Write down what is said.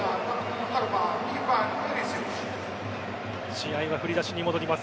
試合は振り出しに戻ります。